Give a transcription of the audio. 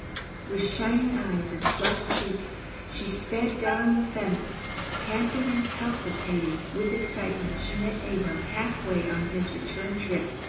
With shining eyes and flushed cheeks, she sped down the fence. Panting and palpitating with excitement, she met Abram half way on his return trip.